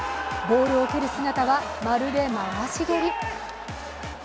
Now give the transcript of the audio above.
ボールを蹴る姿はまるで回し蹴り。